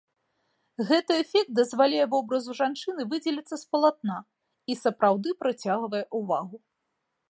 Гэты эфект дазваляе вобразу жанчыны выдзеліцца з палатна і сапраўды прыцягвае ўвагу.